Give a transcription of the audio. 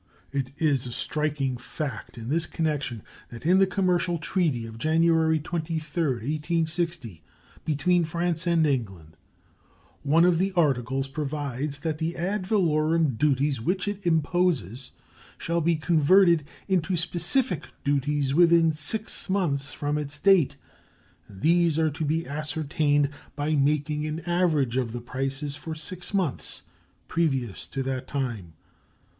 It is a striking fact in this connection that in the commercial treaty of January 23, 1860, between France and England one of the articles provides that the ad valorem duties which it imposes shall be converted into specific duties within six months from its date, and these are to be ascertained by making an average of the prices for six months previous to that time.